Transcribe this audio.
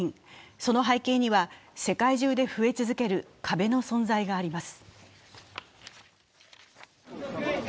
その背景には世界中で増え続ける壁の存在があります。